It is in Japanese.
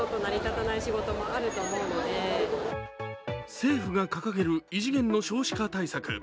政府が掲げる異次元の少子化対策。